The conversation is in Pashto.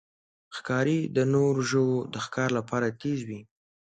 ښکاري د نورو ژوو د ښکار لپاره تیز وي.